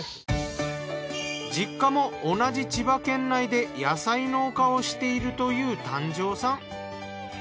実家も同じ千葉県内で野菜農家をしているという丹上さん。